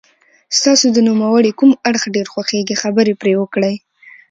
ستاسو د نوموړي کوم اړخ ډېر خوښیږي خبرې پرې وکړئ.